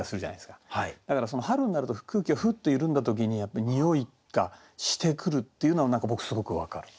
だから春になると空気がふっと緩んだ時にやっぱりにおいがしてくるっていうのは何か僕すごく分かる。